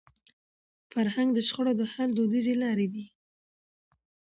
فرهنګ د شخړو د حل دودیزي لارې لري.